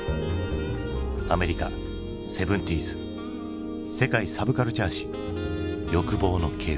アメリカ７０ｓ「世界サブカルチャー史欲望の系譜」。